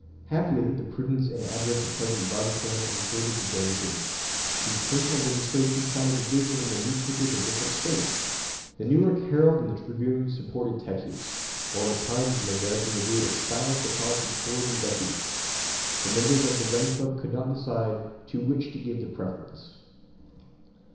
Happily the prudence and address of President Barbicane averted the danger. These personal demonstrations found a division in the newspapers of the different States. The New York Herald and the Tribune supported Texas, while the Times and the American Review espoused the cause of the Floridan deputies. The members of the Gun Club could not decide to which to give the preference.